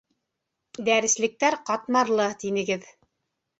Дәреслектәр ҡатмарлы, тинегеҙ.